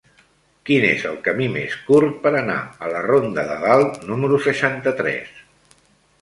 Quin és el camí més curt per anar a la ronda de Dalt número seixanta-tres?